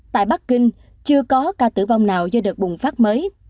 tại bắc kinh chưa có ca tử vong nào do đợt bùng phát mới